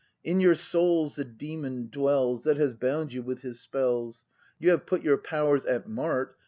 In your souls the demon dwells That has bound you with his spells. You have put your powers at mart.